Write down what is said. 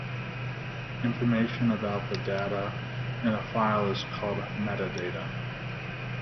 Information about the data in a file is called metadata.